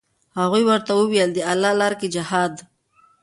هغو ورته وویل: د الله لاره کې جهاد.